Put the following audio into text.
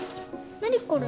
何これ？